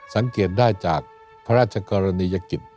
สังเกตได้จากพระราชกรณียกิจ